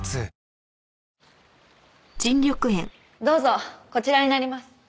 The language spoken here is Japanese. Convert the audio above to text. どうぞこちらになります。